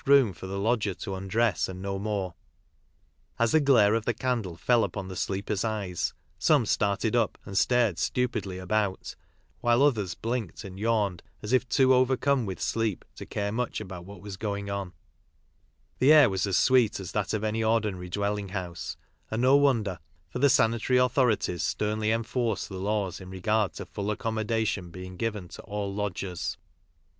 room for the lodger to undress and no more. As the glare of the candle fell upon the sleepers' eyes, some started up and stared stupidly about, while others blinked and yawned as if too overcome with sleep to care much about what was goino 0 n J he air was as sweet as that of any ordinary dwell ing house, and no wonder, for the sanitary authorities sternly enforce the laws in regard to full accom modation being given to all lodgers.